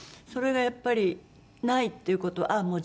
「それがやっぱりないっていう事はあ